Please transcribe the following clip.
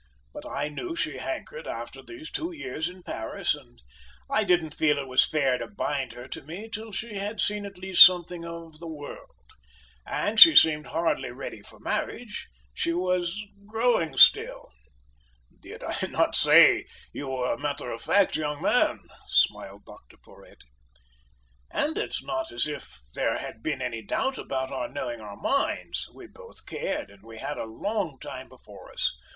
But I knew she hankered after these two years in Paris, and I didn't feel it was fair to bind her to me till she had seen at least something of the world. And she seemed hardly ready for marriage, she was growing still." "Did I not say that you were a matter of fact young man?" smiled Dr Porhoët. "And it's not as if there had been any doubt about our knowing our minds. We both cared, and we had a long time before us.